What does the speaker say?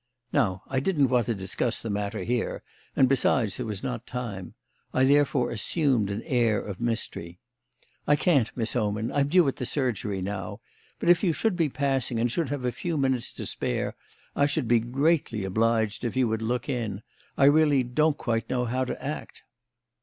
Now, I didn't want to discuss the matter here, and, besides, there was not time. I therefore assumed an air of mystery. "I can't, Miss Oman. I'm due at the surgery now. But if you should be passing and should have a few minutes to spare, I should be greatly obliged if you would look in. I really don't quite know how to act."